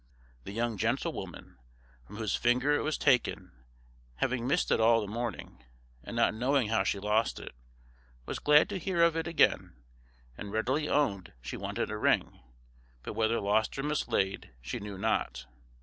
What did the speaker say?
The young gentlewoman, from whose finger it was taken, having missed it all the morning, and not knowing how she lost it, was glad to hear of it again, and readily owned she wanted a ring, but whether lost or mislaid, she knew not.